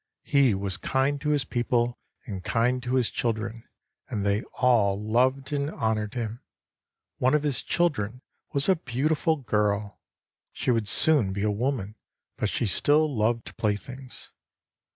He was kind to his people, and kind to his children, and they all loved and honored him. One of his children was a beautiful girl. She would soon be a woman, but she still loved playthings.